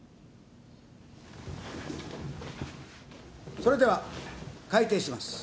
それでは開廷します。